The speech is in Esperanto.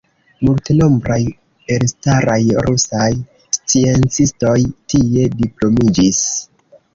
Multenombraj elstaraj rusaj sciencistoj tie diplomiĝis.